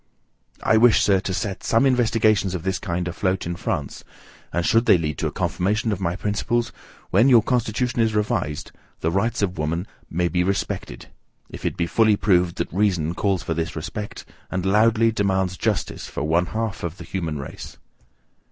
I wish, sir, to set some investigations of this kind afloat in France; and should they lead to a confirmation of my principles, when your constitution is revised, the rights of woman may be respected, if it be fully proved that reason calls for this respect, and loudly demands JUSTICE for one half of the human race.